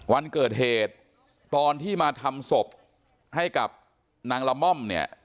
วันเกิดเหตุตอนที่มาทำศพให้กับนางละม่อมเนี่ย